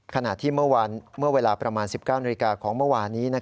ขณะที่เมื่อเวลาประมาณ๑๙นาฬิกาของเมื่อวานนี้